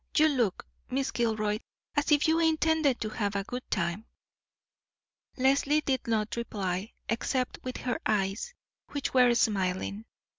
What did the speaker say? You look, Miss Gilroy, as if you intended to have a good time." Leslie did not reply, except with her eyes, which were smiling.